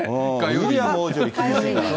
ウィリアム皇太子より厳しいからね。